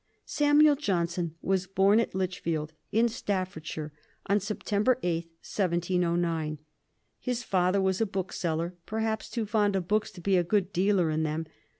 Samuel Johnson was born at Lichfield, in Staffordshire, on September 8, 1709. His father was a bookseller, perhaps too fond of books to be a good dealer in them.